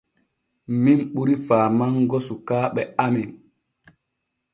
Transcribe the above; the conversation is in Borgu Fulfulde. Min ɓuri faamango sukaaɓe amen.